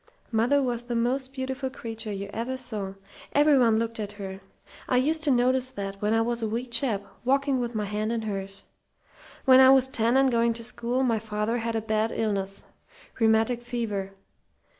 "Mother was the most beautiful creature you ever saw. Everyone looked at her. I used to notice that when I was a wee chap, walking with my hand in hers. When I was ten and going to school my father had a bad illness rheumatic fever.